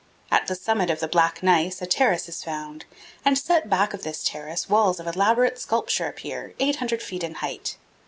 At the summit of the black gneiss a terrace is found, and, set back of this terrace, walls of elaborate sculpture appear, 800 feet in height.